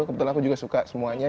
kebetulan aku juga suka semuanya